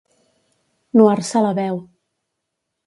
Nuar-se la veu.